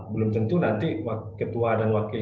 belum tentu nanti ketua dan wakil yang sudah terperintahkan